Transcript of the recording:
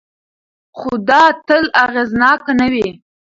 خو دا تل اغېزناک نه وي.